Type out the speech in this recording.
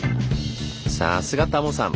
さすがタモさん！